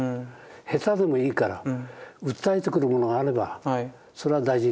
下手でもいいから訴えてくるものがあればそれは大事にしたいと思うんですね。